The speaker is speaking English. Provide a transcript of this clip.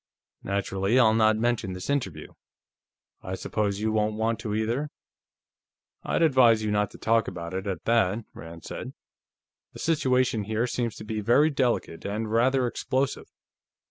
"Naturally, I'll not mention this interview. I suppose you won't want to, either?" "I'd advise you not to talk about it, at that," Rand said. "The situation here seems to be very delicate, and rather explosive....